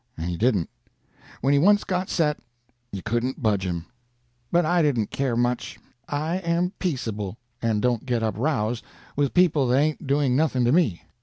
And he didn't. When he once got set, you couldn't budge him. But I didn't care much. I am peaceable, and don't get up rows with people that ain't doing nothing to me.